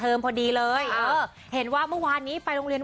แล้วก็ให้เวลายะห่างให้เพื่อน